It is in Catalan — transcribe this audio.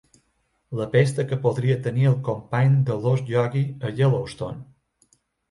La pesta que podria tenir el company de l'ós Iogui a Yellowstone.